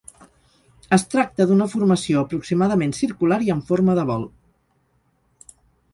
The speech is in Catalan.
Es tracta d'una formació aproximadament circular i amb forma de bol.